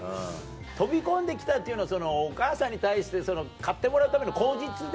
「飛び込んで来た」っていうのはお母さんに対して飼ってもらうための口実で。